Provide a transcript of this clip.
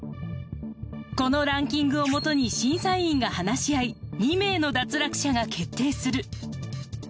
このランキングをもとに審査員が話し合い２名の脱落者が決定する。